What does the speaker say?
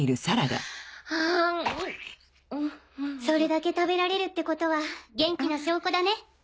それだけ食べられるってことは元気な証拠だね。